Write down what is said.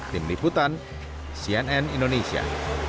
tim liputan cnn indonesia